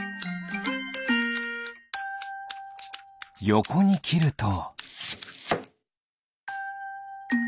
よこにきると。